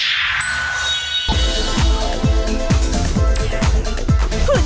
หุ่นเสียเบรียเวิร์ด